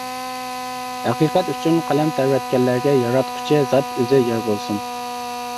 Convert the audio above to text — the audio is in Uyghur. ھەقىقەت ئۈچۈن قەلەم تەۋرەتكەنلەرگە ياراتقۇچى زات ئۆزى يار بولسۇن!